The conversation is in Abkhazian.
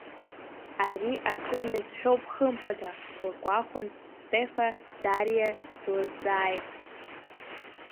Ари акы иазҳәоуп хымԥада, лгәахәын Стефа, Дариа длызҵааит…